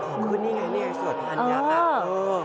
ของขึ้นนี่ไงนี่ไงสวดพาญญาคต